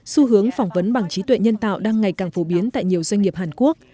xu hướng phỏng vấn bằng trí tuệ nhân tạo đang ngày càng phổ biến tại nhiều doanh nghiệp hàn quốc